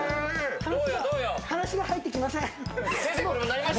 話が入ってきません。